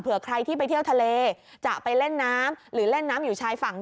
ใครที่ไปเที่ยวทะเลจะไปเล่นน้ำหรือเล่นน้ำอยู่ชายฝั่ง